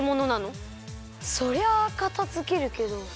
そりゃあかたづけるけど。